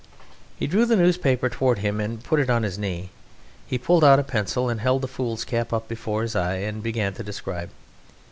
He drew the newspaper towards him and put it on his knee. He pulled out a pencil; he held the foolscap up before his eye, and he began to describe.